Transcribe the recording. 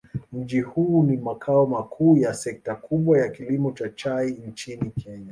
Mji huu ni makao makuu ya sekta kubwa ya kilimo cha chai nchini Kenya.